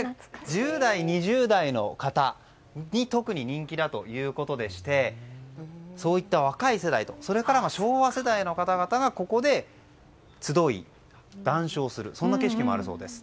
１０代、２０代の方に特に人気だということでしてそういった若い世代それから昭和世代の方々がここで集い、談笑するそんな景色もあるそうです。